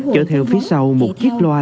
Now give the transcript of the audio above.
chở theo phía sau một chiếc loa